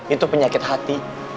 itu penyakit hati